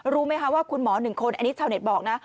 รู้ไหมคะว่าคุณหมอ๑คนอันนี้ชาวเน็ตบอกนะ